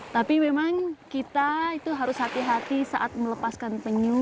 tapi memang kita itu harus hati hati saat melepaskan penyu